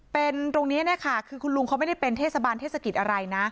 เป็นตรงนี้เนี่ยค่ะคือคุณลุงเขาไม่ได้เป็นเทศบาลเทศกิจอะไรนะ